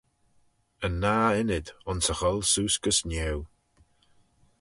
Yn nah ynnyd, ayns e gholl seose gys niau.